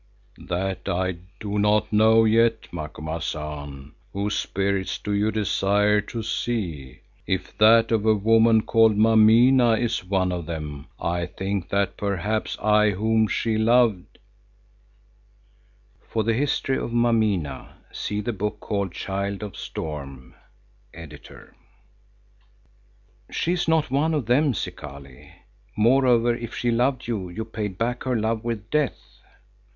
"That I do not know yet, Macumazahn. Whose spirits do you desire to see? If that of a woman called Mameena is one of them, I think that perhaps I whom she loved——" For the history of Mameena see the book called "Child of Storm."—Editor. "She is not one of them, Zikali. Moreover, if she loved you, you paid back her love with death."